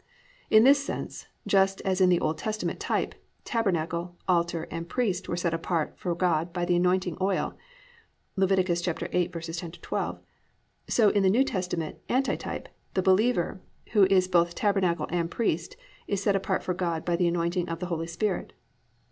In this sense, just as in the Old Testament type, tabernacle, altar and priest were set apart for God by the anointing oil (Lev. 8:10 12), so in the New Testament anti type, the believer, who is both tabernacle and priest, is set apart for God by the anointing of the Holy Spirit.